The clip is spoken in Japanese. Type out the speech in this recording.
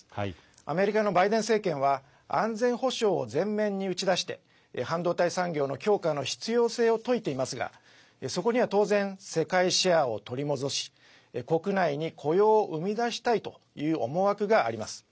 アメリカのバイデン政権は安全保障を前面に打ち出して半導体産業の強化の必要性を説いていますがそこには当然世界シェアを取り戻し国内に雇用を生み出したいという思惑があります。